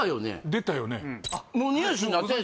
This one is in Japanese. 出たよね